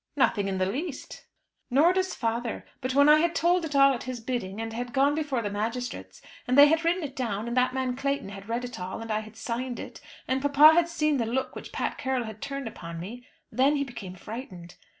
"Nothing in the least." "Nor does father. But when I had told it all at his bidding, and had gone before the magistrates, and they had written it down, and that man Clayton had read it all and I had signed it, and papa had seen the look which Pat Carroll had turned upon me, then he became frightened.